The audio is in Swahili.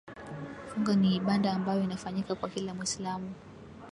funga ni ibanda ambayo inafanyika kwa kila muislamu